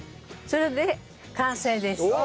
それで完成です。